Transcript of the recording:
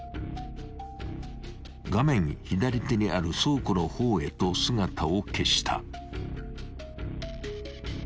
［画面左手にある倉庫の方へと姿を消した］